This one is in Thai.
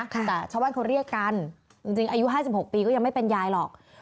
แต่ชาวบ้านเขาเรียกกันจริงอายุ๕๖ปีก็ยังไม่เป็นยายหรอก